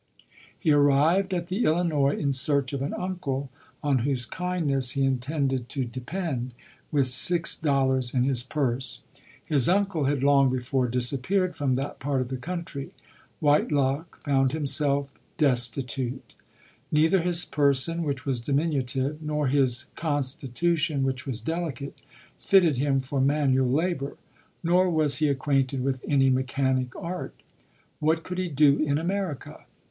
He arrived at the Illinois in search of an uncle, on whose kindness he intended to depend, with six LODORE. 51 dollars in his purse. J lis uncle bad long befoi disappeared from that part of the country. Whitelock found liimsclf destitute. Neith r his person, which was tliiiiiiiiitixc , nor Ins con stitution, which was delicate, fitted him I' manual labour; nor was he acquainted with any mechanic art. "What could he do in Ame J rica?